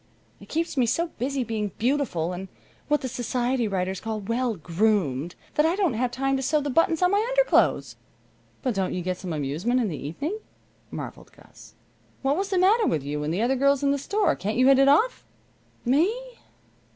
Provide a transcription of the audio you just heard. It keeps me so busy being beautiful, and what the society writers call 'well groomed,' that I don't have time to sew the buttons on my underclothes." "But don't you get some amusement in the evening?" marveled Gus. "What was the matter with you and the other girls in the store? Can't you hit it off?" "Me?